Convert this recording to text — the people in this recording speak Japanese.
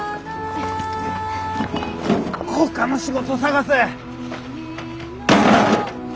ほかの仕事探せ。